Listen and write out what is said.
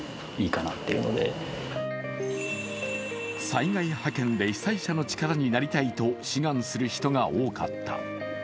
災害派遣で被災者の力になりたいと志願する人が多かった。